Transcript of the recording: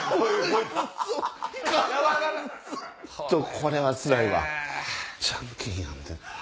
これはつらいわ。